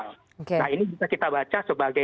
nah ini bisa kita baca sebagai